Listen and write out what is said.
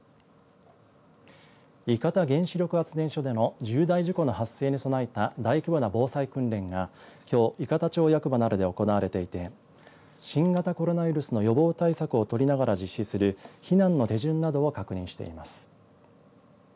伊方原子力発電所での重大事故の発生に備えた大規模な防災訓練がきょう伊方町役場などで行われていて新型コロナウイルスの予防対策をとりながら実施する避難の手順などを確認しています。